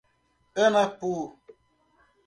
Anapu